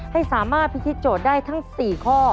ให้สามารถพิธีโจทย์ได้ทั้ง๔ข้อ